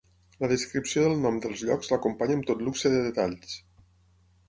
La descripció del nom dels llocs l'acompanya amb tot luxe de detalls.